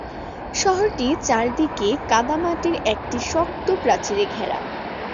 শহরটি চারদিকে কাদামাটির একটি শক্ত প্রাচীরে ঘেরা।